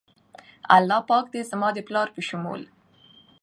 الله پاک د زما د پلار په شمول